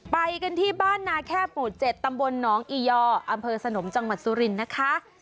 ไปกันที่บ้านนาแค่หมู่๗ตำบลหนองอียออำเภอสนมจังหวัดสุรินทร์นะคะ